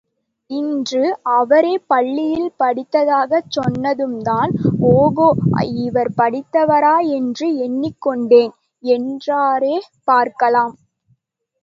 இன்று அவரே பள்ளியில் படித்ததாகச் சொன்னதும்தான், ஒகோ இவர் படித்தவரா என்று எண்ணிக்கொண்டேன், என்றாரேபார்க்கலாம்.